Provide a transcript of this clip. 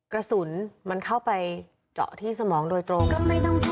กระสุนมันเข้าไปเจาะที่สมองโดยตรง